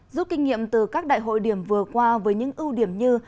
rút kinh nghiệm từ các đại hội điểm vừa qua với những ưu điểm như